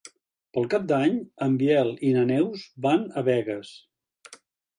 Per Cap d'Any en Biel i na Neus van a Begues.